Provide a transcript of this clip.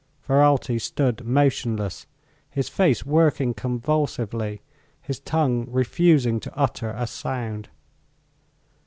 Ferralti stood motionless, his face working convulsively, his tongue refusing to utter a sound.